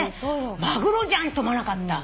マグロじゃんって思わなかった？